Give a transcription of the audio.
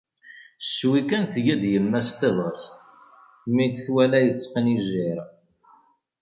Cwi kan tga-d yemma-s tabɣest mi t-twala yetteqnijjir.